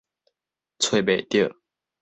揣袂著